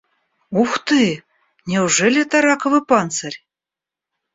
Ух ты, неужели это раковый панцирь?